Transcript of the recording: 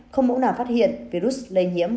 không mũ nào phát hiện virus lây nhiễm